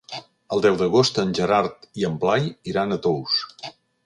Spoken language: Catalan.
El deu d'agost en Gerard i en Blai iran a Tous.